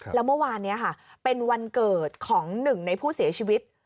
แล้วเมื่อวานนี้ค่ะเป็นวันเกิดของหนึ่งในผู้เสียชีวิต